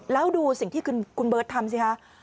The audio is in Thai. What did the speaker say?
แล้วดูสิ่งที่คุณเบิร์ตทำสิคะ